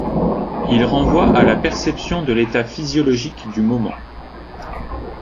Il renvoie à la perception de l'état physiologique du moment.